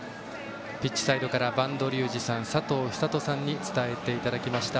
ピッチサイドから播戸竜二さん、佐藤寿人さんに伝えていただきました。